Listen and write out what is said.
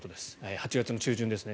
８月の中旬ですね。